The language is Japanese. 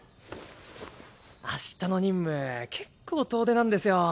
明日の任務結構遠出なんですよ。